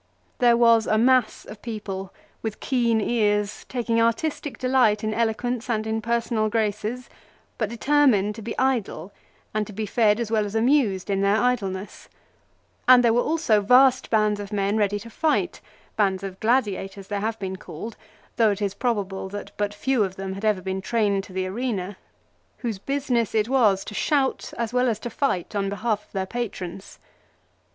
There was a mass of people, with keen ears, taking artistic delight in eloquence and in personal graces, but determined to be idle, and to be fed as well as amused in their idleness ; and there were also vast bands of men ready to fight, bands of gladiators they have been called, though it is probable that but few of them had ever been trained to the arena, whose business it was to shout as well as to fight on behalf of their patrons!